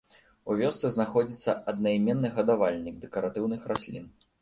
У вёсцы знаходзіцца аднайменны гадавальнік дэкаратыўных раслін.